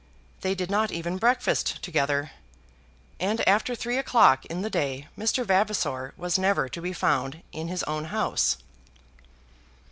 They did not even breakfast together, and after three o'clock in the day Mr. Vavasor was never to be found in his own house.